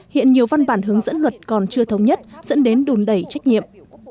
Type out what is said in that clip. hiện nhiều văn bản hướng dẫn luật còn chưa thống nhất dẫn đến đùn đẩy trách nhiệm